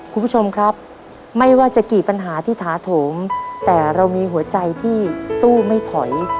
คุณผู้ชมครับไม่ว่าจะกี่ปัญหาที่ถาโถมแต่เรามีหัวใจที่สู้ไม่ถอย